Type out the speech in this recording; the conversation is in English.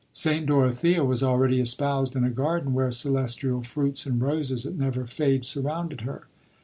St. Dorothea was already espoused in a garden where celestial fruits and roses that never fade surrounded her.